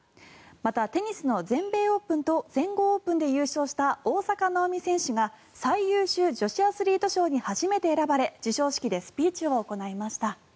また、テニスの全米オープンと全豪オープンで優勝した大坂なおみ選手が最優秀女子アスリート賞に初めて選ばれ授賞式でスピーチを行いました。